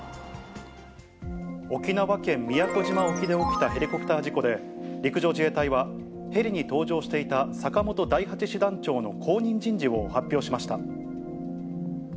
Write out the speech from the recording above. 沖縄県宮古島沖で起きたヘリコプター事故で、陸上自衛隊はヘリに搭乗していた坂本第８師団長の後任人事を発表しました。